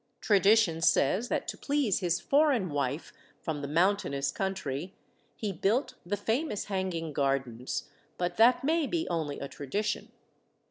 Tradition says that to please his foreign wife from the mountainous country he built the famous hanging gardens, but that may be only a tradition.